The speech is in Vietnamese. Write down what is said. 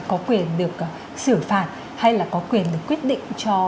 có quyền được xử phạt hay là có quyền được quyết định cho